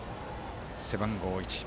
背番号１。